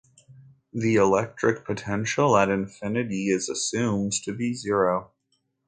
The electric potential at infinity is assumed to be zero.